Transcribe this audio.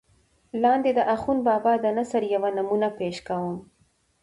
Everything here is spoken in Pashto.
لاندې دَاخون بابا دَنثر يوه نمونه پېش کوم